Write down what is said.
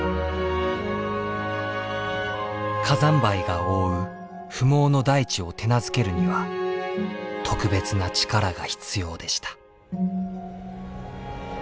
火山灰が覆う不毛の大地を手なずけるには特別な力が必要でした。